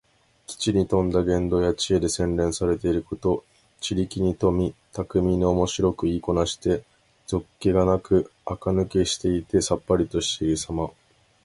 機知に富んだ言動や知恵で、洗練されていること。知力に富み、巧みにおもしろく言いこなして、俗気がなくあかぬけしていてさっぱりとしているさま。